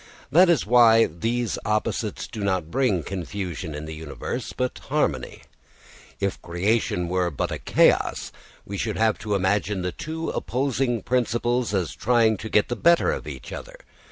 That is why these opposites do not bring confusion in the universe, but harmony. If creation were but a chaos, we should have to imagine the two opposing principles as trying to get the better of each other.